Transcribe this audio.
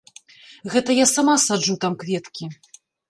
Гэта я сама саджу там кветкі.